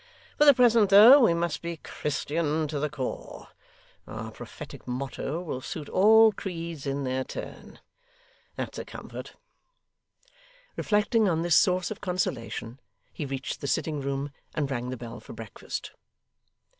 For the present, though, we must be Christian to the core. Our prophetic motto will suit all creeds in their turn, that's a comfort.' Reflecting on this source of consolation, he reached the sitting room, and rang the bell for breakfast.